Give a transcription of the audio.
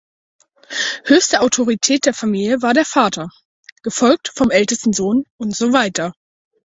Höchste Autorität der Familie war der Vater, gefolgt vom ältesten Sohn usw.